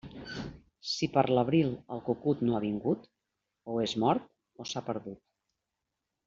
Si per l'abril el cucut no ha vingut, o és mort o s'ha perdut.